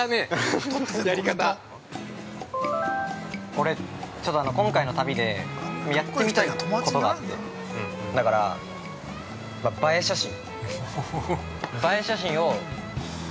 ◆俺、今回の旅でやってみたいことがあって映え写真。